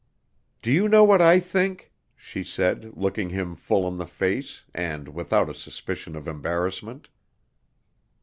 "Do you know what I think?" she said, looking him full in the face, and without a suspicion of embarrassment.